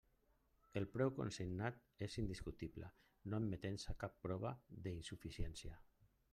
El preu consignat és indiscutible no admetent-se cap prova d'insuficiència.